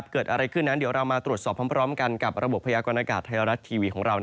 เกิดอะไรขึ้นนั้นเดี๋ยวเรามาตรวจสอบพร้อมกันกับระบบพยากรณากาศไทยรัฐทีวีของเรา